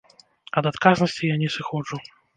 Ад адказнасці я не сыходжу.